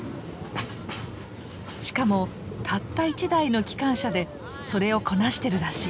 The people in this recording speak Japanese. しかもたった１台の機関車でそれをこなしてるらしい。